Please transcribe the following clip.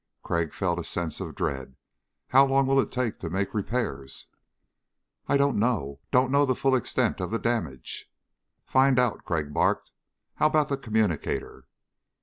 Crag felt a sense of dread. "How long will it take to make repairs?" "I don't know don't know the full extent of the damage." "Find out," Crag barked. "How about the communicator?"